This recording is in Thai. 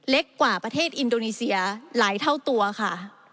เล็กกว่าประเทศอินโดนีเซียหลายเท่าตัวค่ะ